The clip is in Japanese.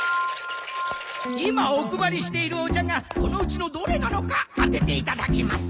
今お配りしているお茶がこのうちのどれなのか当てていただきます！